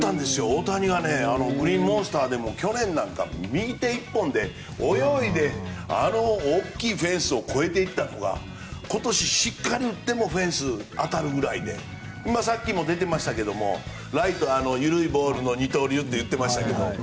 大谷がグリーンモンスターでも去年なんか右手１本で泳いであの大きいフェンスを越えていったのが今年しっかり打ってもフェンスに当たるぐらいでさっきも出てましたけども緩いボールの二刀流って言っていましたけども。